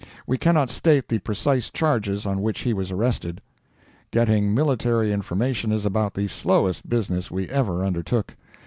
We cannot state the precise charges on which he was arrested. Getting military information is about the slowest business we ever undertook.